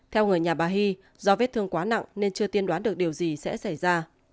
theo người nhà bà hy do vết thương quá nặng nên chưa tiên đoán được điều gì sẽ xảy ra